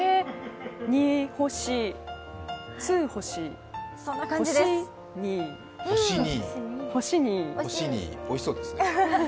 ２星、ツー星おいしそうですね。